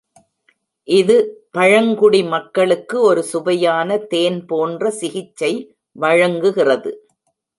இது பழங்குடி மக்களுக்கு ஒரு சுவையான, தேன் போன்ற சிகிச்சை வழங்குகிறது.